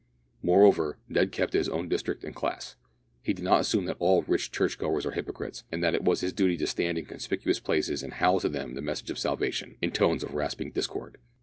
Moreover, Ned kept to his own district and class. He did not assume that all rich church goers are hypocrites, and that it was his duty to stand in conspicuous places and howl to them the message of salvation, in tones of rasping discord.